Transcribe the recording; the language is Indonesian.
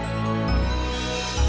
sekarang lu terinfeksi virus hiv